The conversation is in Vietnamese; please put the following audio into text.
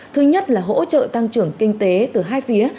thứ nhất là hỗ trợ tăng trưởng kinh tế từ hai phía